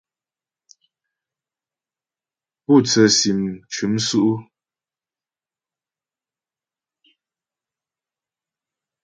Pú tsə́sim m cʉ́m sʉ́' ʉ́ ?